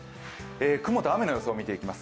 雲と雨の予想を見ていきます。